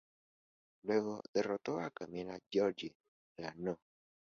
Luego derrotó a Camila Giorgi, la No.